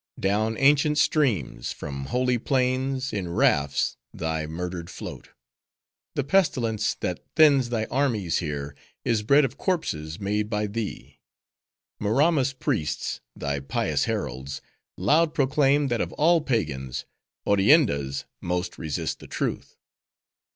Down ancient streams, from holy plains, in rafts thy murdered float! The pestilence that thins thy armies here, is bred of corpses, made by thee. Maramma's priests, thy pious heralds, loud proclaim that of all pagans, Orienda's most resist the truth!